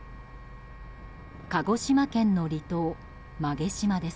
鹿児島県の離島、馬毛島です。